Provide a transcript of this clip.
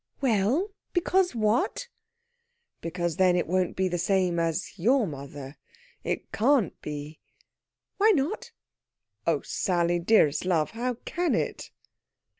"Well! Because what?" "Because then it won't be the same as your mother. It can't be." "Why not?" "Oh, Sally dearest love how can it?"